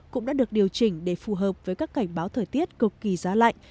cũng đã được điều chỉnh để phù hợp với các cảnh báo thời tiết cực kỳ giá lạnh